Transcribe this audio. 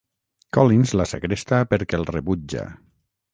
Collins la segresta perquè el rebutja.